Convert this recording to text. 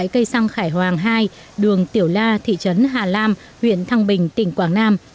cây xăng khải hoàng hai đường tiểu la thị trấn hà lam huyện thăng bình tỉnh quảng nam